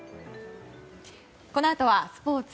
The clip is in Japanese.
このあとはスポーツ。